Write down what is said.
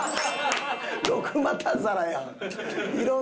六股皿やん。